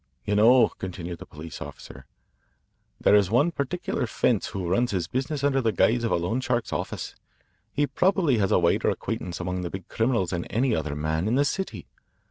"You know," continued the police officer, "there is one particular 'fence' who runs his business under the guise of a loan shark's office. He probably has a wider acquaintance among the big criminals than any other man in the city.